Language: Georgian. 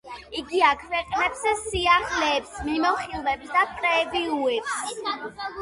იგი აქვეყნებს სიახლეებს, მიმოხილვებსა და პრევიუებს.